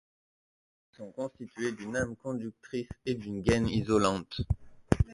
Elles sont constituées d'une âme conductrice et d'une gaine isolante.